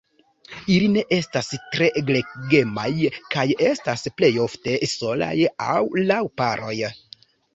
Ili ne estas tre gregemaj kaj estas plej ofte solaj aŭ laŭ paroj.